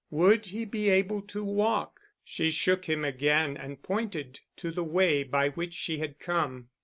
Would he be able to walk? She shook him again and pointed to the way by which she had come.